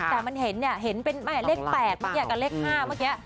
แต่มันเห็นเนี่ยเห็นเป็นเลข๘เมื่อกี้กับเลข๕เมื่อกี้